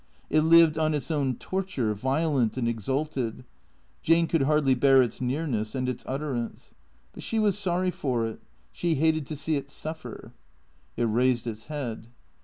It lived on its own torture, violent and exalted ; Jane could hardly bear its nearness and its utterance. But she was sorry for it. Slie hated to see it suffer. It raised its head.